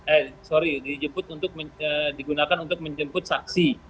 eh sorry digunakan untuk menjemput saksi